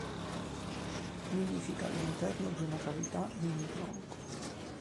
Nidifica all'interno di una cavità in un tronco.